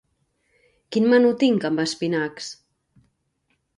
Quin menú tinc amb espinacs?